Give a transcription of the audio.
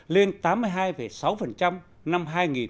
lên tám mươi hai sáu năm hai nghìn một mươi